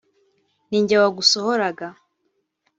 ni jye wagusohoraga